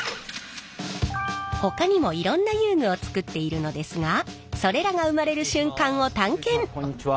ほかにもいろんな遊具を作っているのですがそれらが生まれる瞬間を探検。